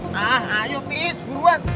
nah ayo tis buruan